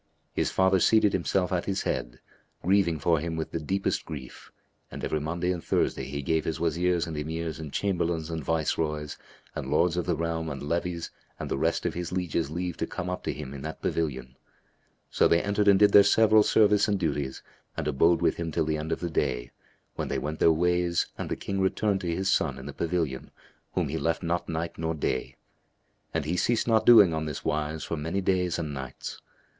His father seated himself at his head, grieving for him with the deepest grief, and every Monday and Thursday he gave his Wazirs and Emirs and Chamberlains and Viceroys and Lords of the realm and levies and the rest of his lieges leave to come up to him in that pavilion. So they entered and did their several service and duties and abode with him till the end of the day, when they went their ways and the King returned to his son in the pavilion whom he left not night nor day; and he ceased not doing on this wise for many days and nights.